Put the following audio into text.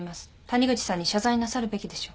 谷口さんに謝罪なさるべきでしょう。